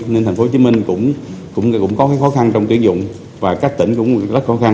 nên tp hcm cũng có khó khăn trong tuyển dụng và các tỉnh cũng rất khó khăn